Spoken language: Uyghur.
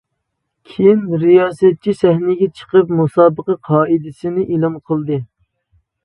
كېيىن رىياسەتچى سەھنىگە چىقىپ مۇسابىقە قائىدىسىنى ئېلان قىلدى.